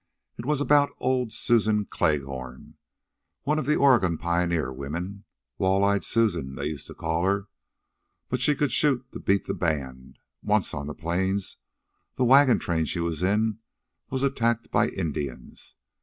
"It was about old Susan Kleghorn, one of the Oregon pioneer women. Wall Eyed Susan, they used to call her; but she could shoot to beat the band. Once, on the Plains, the wagon train she was in, was attacked by Indians.